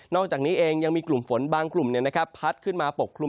อกจากนี้เองยังมีกลุ่มฝนบางกลุ่มพัดขึ้นมาปกคลุม